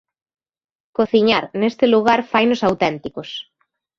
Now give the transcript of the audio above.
Cociñar neste lugar fainos auténticos.